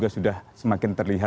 sudah semakin terlihat